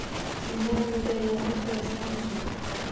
Kimdan muzayyanni so’rasam ekan